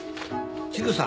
千草！